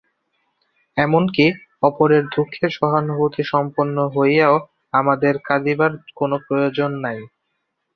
এমন কি, অপরের দুঃখে সহানুভূতিসম্পন্ন হইয়াও আমাদের কাঁদিবার কোন প্রয়োজন নাই।